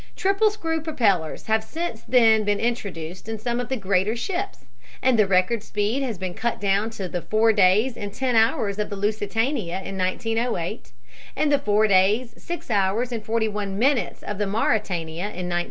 Triple screw propellers have since then been introduced in some of the greater ships, and the record speed has been cut down to the four days and ten hours of the Lusitania in 1908 and the four days, six hours and forty one minutes of the Mauretania in 1910.